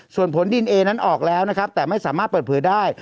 ส่วนผลดินเอนั้นออกแล้วนะครับแต่ไม่สามารถเปิดเผยได้